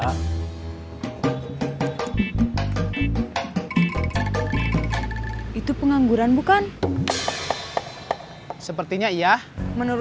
aku kasih empat eur aku kasih lima eur